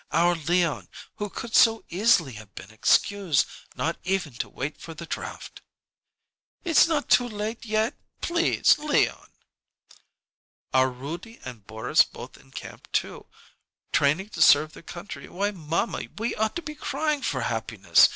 Our Leon, who could so easily have been excused, not even to wait for the draft." "It's not too late yet please Leon " "Our Roody and Boris both in camp, too, training to serve their country. Why, mamma, we ought to be crying for happiness.